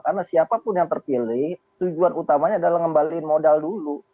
karena siapapun yang terpilih tujuan utamanya adalah ngembalikan modal dulu